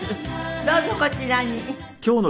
どうぞこちらに。